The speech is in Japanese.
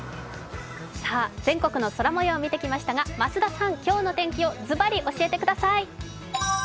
全国の空もようを見てきましたが増田さん、今日の天気をずばり教えてください。